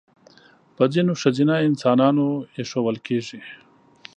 په ځینو ښځینه انسانانو اېښودل کېږي.